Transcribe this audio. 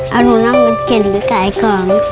เอานุ่นั่งบะเก็นในกายกอบ